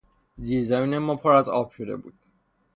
زیرزمین ما پر از آب شده بود.